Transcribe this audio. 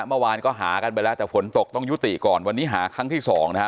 เมื่อวานก็หากันไปแล้วแต่ฝนตกต้องยุติก่อนวันนี้หาครั้งที่สองนะฮะ